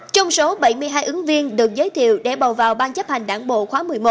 trong số bảy mươi hai ứng viên được giới thiệu để bầu vào ban chấp hành đảng bộ khóa một mươi một